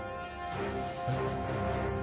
えっ？